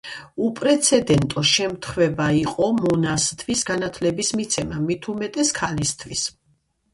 უპრეცენდენტო შემთხვევა იყო მონასათვის განათლების მიცემა, მით უმეტეს, ქალისთვის.